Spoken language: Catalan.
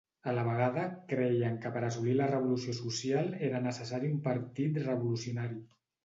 A la vegada, creien que per assolir la revolució social era necessari un partit revolucionari.